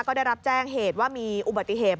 ก็ได้รับแจ้งเหตุว่ามีอุบัติเหตุ